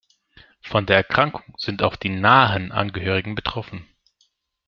Von der Erkrankung sind auch die nahen Angehörigen betroffen.